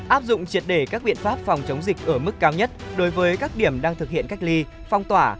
áp dụng triệt để các biện pháp phòng chống dịch ở mức cao nhất đối với các điểm đang thực hiện cách ly phong tỏa